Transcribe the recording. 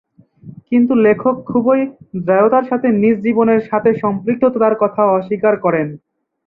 কিন্তু লেখক খুবই দৃঢ়তার সাথে নিজ জীবনের সাথে সম্পৃক্ততার কথা অস্বীকার করেন।